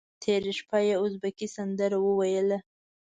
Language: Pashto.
تېره شپه یې ازبکي سندره وویله.